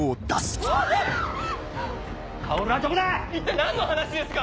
一体何の話ですか？